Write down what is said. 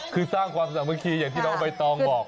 คือสร้างความสามัคคีอย่างที่น้องใบตองบอก